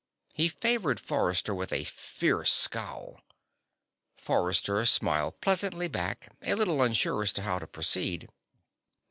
He favored Forrester with a fierce scowl. Forrester smiled pleasantly back, a little unsure as to how to proceed.